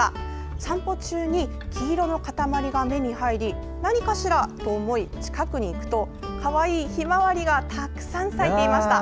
散歩中に黄色の固まりが目に入り何かしら？と思い、近くに行くとかわいいひまわりがたくさん咲いていました。